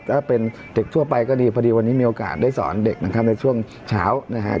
ถ้าเป็นเด็กทั่วไปก็ดีพอดีวันนี้มีโอกาสได้สอนเด็กนะครับในช่วงเช้านะครับ